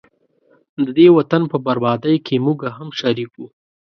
ددې وطن په بربادۍ کي موږه هم شریک وو